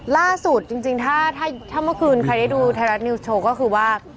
ล่าสุดจริงถ้าเมื่อคืนใครได้ดูไทยรัฐนิวส์โชว์ก็คือว่า